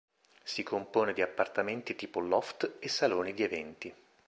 Si compone di appartamenti tipo "loft" e saloni di eventi.